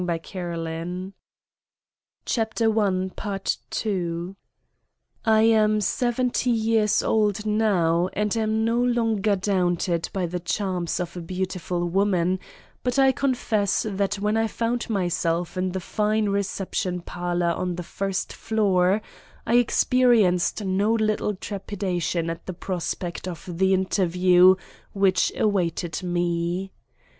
So I rang Dr. Zabriskie's bell. I am seventy years old now and am no longer daunted by the charms of a beautiful woman, but I confess that when I found myself in the fine reception parlor on the first floor, I experienced no little trepidation at the prospect of the interview which awaited me.